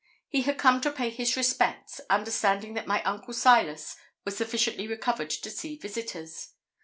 He had come to pay his respects, understanding that my uncle Silas was sufficiently recovered to see visitors.